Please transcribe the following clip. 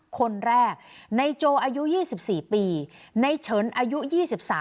คนแรกในโจอายุ๒๔ปีในเฉินอายุ๒๓